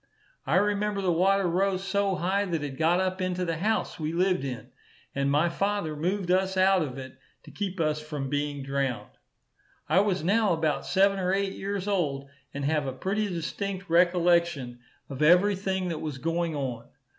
I remember the water rose so high, that it got up into the house we lived in, and my father moved us out of it, to keep us from being drowned. I was now about seven or eight years old, and have a pretty distinct recollection of every thing that was going on.